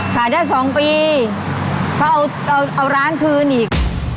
ขายได้๒ปีเขาเอาร้านคืนอีก